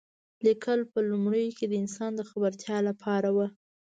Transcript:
لیکل په لومړیو کې د انسان د خبرتیا لپاره و.